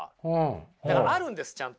だからあるんですちゃんと。